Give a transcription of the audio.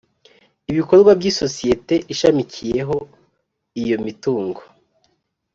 ibikorwa by isosiyeti ishamikiyeho iyo mitungo